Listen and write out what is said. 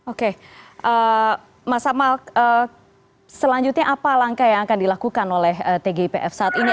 oke mas amal selanjutnya apa langkah yang akan dilakukan oleh tgipf saat ini